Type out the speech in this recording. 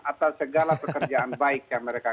atas segala pekerjaan baik yang mereka